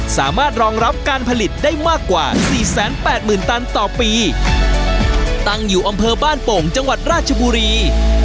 สามารถรองรับการผลิตได้มากกว่าสี่แสนแปดหมื่นตันต่อปีตั้งอยู่อำเภอบ้านโป่งจังหวัดราชบุรี